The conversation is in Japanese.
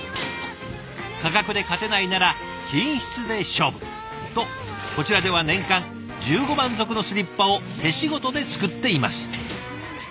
価格で勝てないなら品質で勝負とこちらでは年間１５万足のスリッパを手仕事で作っています。